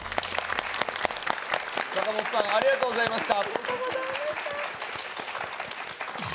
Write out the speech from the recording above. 坂本さん、ありがとうございました。